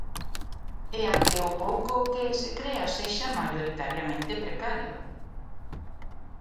E a que o pouco que se crea sexa maioritariamente precario.